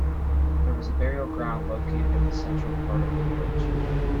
There was a burial ground located in the central part of the village.